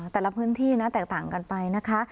แต่ละพื้นที่นะแตกต่างกันไปนะคะ